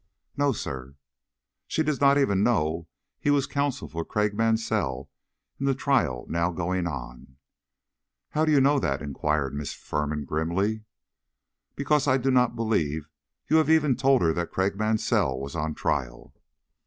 "No, sir." "She does not even know he was counsel for Craik Mansell in the trial now going on." "How do you know that?" inquired Miss Firman, grimly. "Because I do not believe you have even told her that Craik Mansell was on trial."